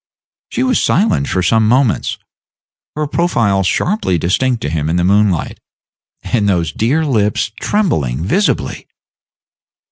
She was silent for some moments, her profile sharply distinct to him in the moonlight, and those dear lips trembling visibly.